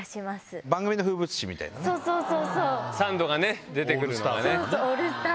サンドが出て来るのがね。